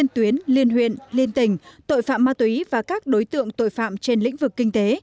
tuyến liên huyện liên tình tội phạm ma túy và các đối tượng tội phạm trên lĩnh vực kinh tế